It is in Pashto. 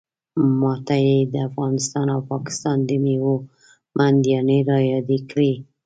ماته یې د افغانستان او پاکستان د میوو منډیانې رایادې کړې.